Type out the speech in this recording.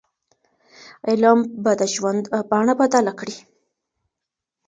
علم به د ژوند بڼه بدله کړي.